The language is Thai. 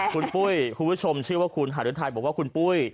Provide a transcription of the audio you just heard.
คุณปุ้ยคุณผู้ชมชื่อว่าคุณหารุทัยบอกว่าคุณปุ้ย